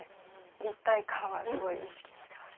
立体感はすごい意識してます。